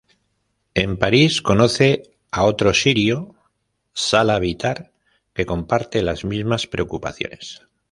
En París conoce a otro sirio, Salah Bitar, que comparte las mismas preocupaciones.